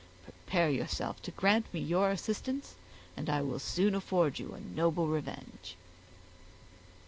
Prepare yourself to grant me your assistance and I will soon afford you a noble revenge."